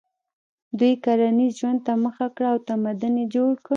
دوی کرنیز ژوند ته مخه کړه او تمدن یې جوړ کړ.